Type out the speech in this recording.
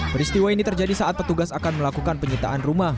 peristiwa ini terjadi saat petugas akan melakukan penyitaan rumah